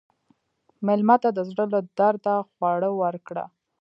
مېلمه ته د زړه له درده خواړه ورکړه.